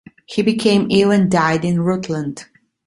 He became ill and died in Rutland.